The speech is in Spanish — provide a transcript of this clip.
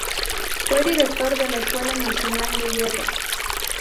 Fue Director de la Escuela Nacional de Guerra.